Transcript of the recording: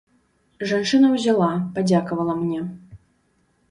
Жанчына ўзяла, падзякавала мне.